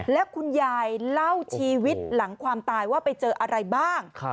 แล้วคุณยายเล่าชีวิตหลังความตายว่าไปเจออะไรบ้าง